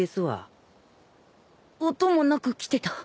音もなく来てた。